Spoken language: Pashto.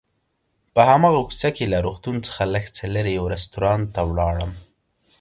په هماغه کوڅه کې له روغتون څخه لږ څه لرې یو رستورانت ته ولاړم.